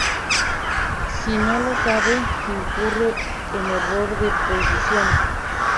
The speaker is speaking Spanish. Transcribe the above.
Si no lo sabe, incurre en error de prohibición.